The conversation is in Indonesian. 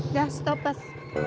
udah stop bas